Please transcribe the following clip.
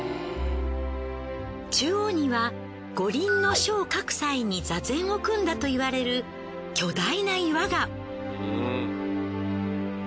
中央には『五輪書』を書く際に座禅を組んだといわれる巨大な岩が。